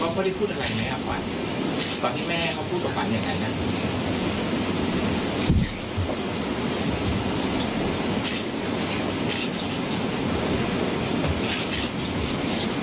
เขาก็ได้พูดอะไรไหมอ่ะขวัญตอนที่แม่เขาพูดกับขวัญอย่างนั้นค่ะ